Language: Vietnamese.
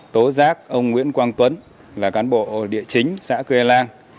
tố giác ông nguyễn quang tuấn là cán bộ địa chính xã quê lan